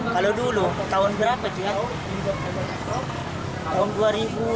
kalau dulu tahun berapa itu ya